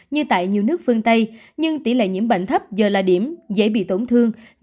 như tại nhiều nước phương tây nhưng tỷ lệ nhiễm bệnh thấp giờ là điểm dễ bị tổn thương